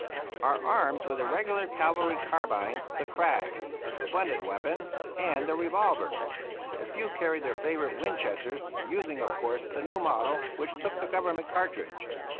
Our arms were the regular cavalry carbine, the "Krag," a splendid weapon, and the revolver. A few carried their favorite Winchesters, using, 3« THE ROUGH RIDERS of course, the new model, which took the Govcm ment cartridge.